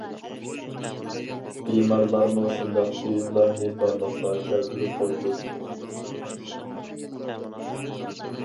بىمارلارمۇ شۇنداق تېۋىپلارنى بارلىققا كەلتۈرۈپ قويىدۇ.